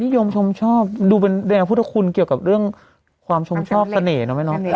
ยมชมชอบดูเป็นแนวพุทธคุณเกี่ยวกับเรื่องความชมชอบเสน่หนะแม่เนาะ